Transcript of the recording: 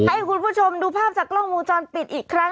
ให้คุณผู้ชมดูภาพจากกล้องวงจรปิดอีกครั้ง